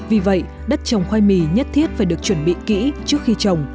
vì vậy đất trồng khoai mì nhất thiết phải được chuẩn bị kỹ trước khi trồng